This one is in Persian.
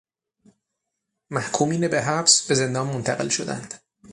محکومین به حبس، به زندان منتقل شدند